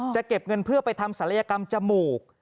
จะเก็บเงินเพื่อไปทำศัลยกรรมจมูก